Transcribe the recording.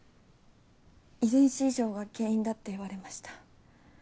遺伝子異常が原因だって言われました。